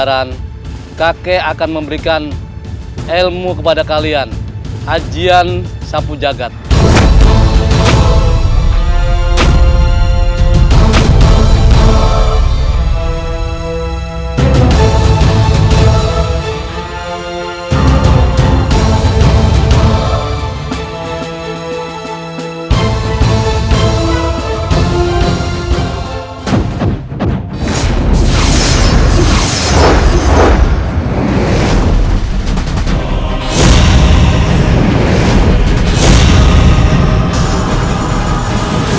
pantang menarik ucapannya yang sudah selanjut keluar